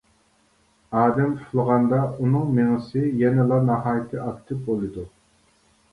ئادەم ئۇخلىغاندا ئۇنىڭ مېڭىسى يەنىلا ناھايىتى ئاكتىپ بولىدۇ.